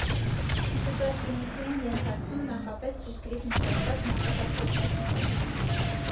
Սուպերֆինիշի են ենթարկում նախապես ճշգրիտ մշակված նախապատրաստուկները։